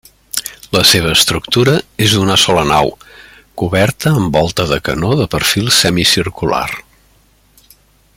La seva estructura és d'una sola nau, coberta amb volta de canó de perfil semicircular.